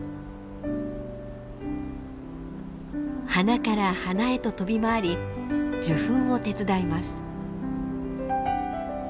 花から花へと飛び回り受粉を手伝います。